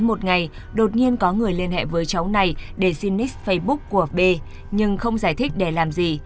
một ngày đột nhiên có người liên hệ với cháu này để jinice facebook của b nhưng không giải thích để làm gì